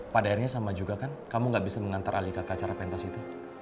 pada akhirnya sama juga kan kamu gak bisa mengantar alika ke acara pentas itu